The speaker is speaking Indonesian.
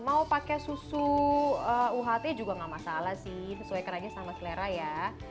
mau pakai susu uht juga nggak masalah sih sesuaikan aja sama selera ya